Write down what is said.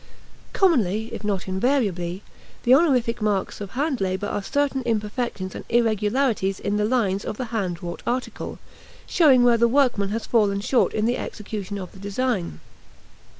Commonly, if not invariably, the honorific marks of hand labor are certain imperfections and irregularities in the lines of the hand wrought article, showing where the workman has fallen short in the execution of the design.